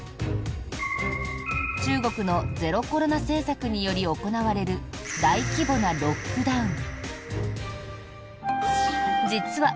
中国のゼロコロナ政策により行われる大規模なロックダウン。